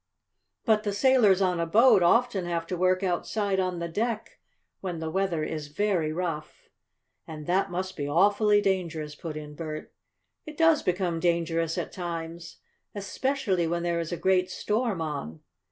But the sailors on a boat often have to work outside on the deck when the weather is very rough." "And that must be awfully dangerous," put in Bert. "It does become dangerous at times, especially when there is a great storm on."